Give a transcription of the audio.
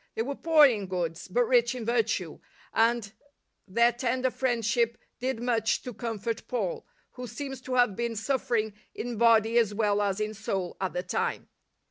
They were poor in goods, but rich in virtue, and then tender friendship did much to comfort Paul, who seems to have been suffering in body as weU as in soul at the time.